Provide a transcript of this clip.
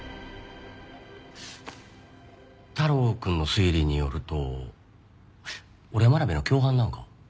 太郎くんの推理によると俺は真鍋の共犯なんか？